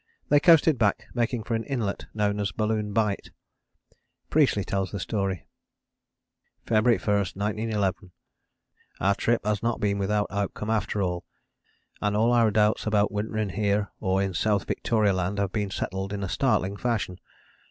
They coasted back, making for an inlet known as Balloon Bight. Priestley tells the story: "February 1, 1911. Our trip has not been without outcome after all, and all our doubts about wintering here or in South Victoria Land have been settled in a startling fashion.